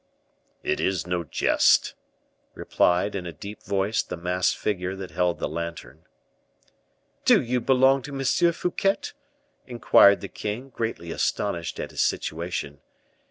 "It is no jest," replied in a deep voice the masked figure that held the lantern. "Do you belong to M. Fouquet?" inquired the king, greatly astonished at his situation.